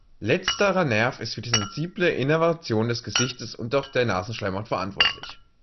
Letzterer Nerv ist für die sensible Innervation des Gesichtes und auch der Nasenschleimhaut verantwortlich.